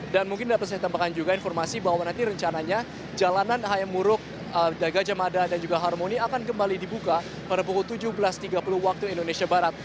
dan mungkin dapat saya tambahkan juga informasi bahwa nanti rencananya jalanan hayam murug gajah mada dan juga harmony akan kembali dibuka pada pukul tujuh belas tiga puluh waktu indonesia barat